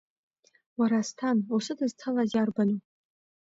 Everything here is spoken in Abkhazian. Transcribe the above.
Уара, Асҭан, усыдызцалаз иарбану?!